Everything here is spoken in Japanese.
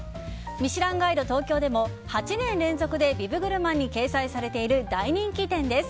「ミシュランガイド東京」でも８年連続でビブグルマンに掲載されている大人気店です。